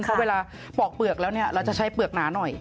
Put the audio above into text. เพราะเวลาปอกเปลือกแล้วเนี่ยเราจะใช้เปลือกหนาหน่อย